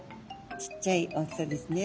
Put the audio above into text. ちっちゃい大きさですね。